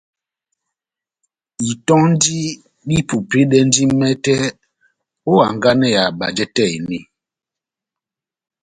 Itɔndi dipupedɛndi mɛtɛ ó hanganɛ ya bajɛ tɛ́h eni.